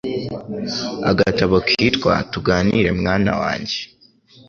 agatabo kitwa Tuganire mwana wanjye